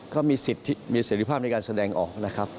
ก็มีสิทธิมีเสร็จภาพในการแสดงออกนะครับ